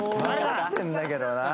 わかってんだけどな。